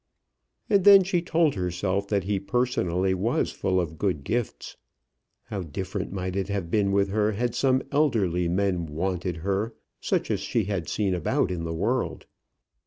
And then she told herself that he personally was full of good gifts. How different might it have been with her had some elderly men "wanted her," such as she had seen about in the world!